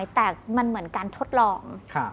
แต่มันเหมือนการทดลอง